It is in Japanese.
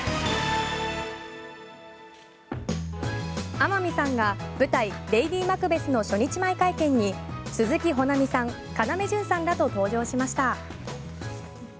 天海さんが舞台「レイディマクベス」の初日前会見に鈴木保奈美さん、要潤さんらと登場しました。